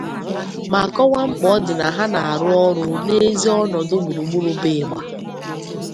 ma kọwaa mkpà ọ dị na ha na-arụ ọrụ n'ezi ọnọdụ gburugburu bụ ịgbà